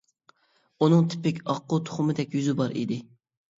ئۇنىڭ تىپىك ئاققۇ تۇخۇمىدەك يۈزى بار ئىدى.